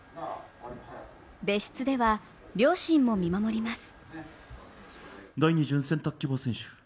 別室では両親も見守ります。